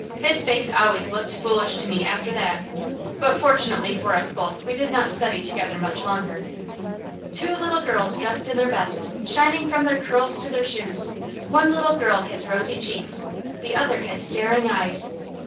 His face always looked foolish to me after that; but, fortunately for us both, we did not study together much longer. Two little girls dressed in their best, shining from their curls to their shoes. One little girl has rosy cheeks, the other has staring eyes.